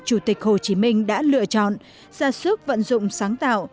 chủ tịch hồ chí minh đã lựa chọn ra sức vận dụng sáng tạo